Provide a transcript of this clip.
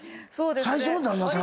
最初の旦那さん。